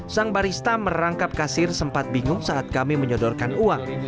sang barista merangkap kasir sempat bingung saat kami menyodorkan uang